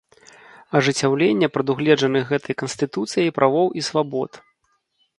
Ажыццяўленне прадугледжаных гэтай Канстытуцыяй правоў і свабод.